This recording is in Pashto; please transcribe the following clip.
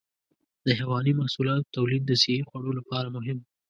د حيواني محصولاتو تولید د صحي خوړو لپاره مهم دی.